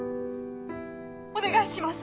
お願いします。